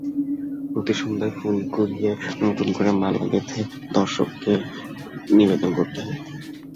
প্রতি সন্ধ্যায় ফুল কুড়িয়ে নতুন করে মালা গেঁথে দর্শককে নিবেদন করতে হয়।